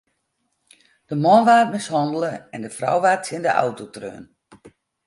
De man waard mishannele en de frou waard tsjin de auto treaun.